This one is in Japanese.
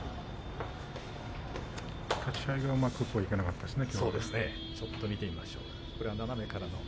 立ち合いがうまくいかなかったですね、きょうは。